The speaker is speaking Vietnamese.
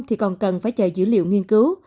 thì còn cần phải chờ dữ liệu nghiên cứu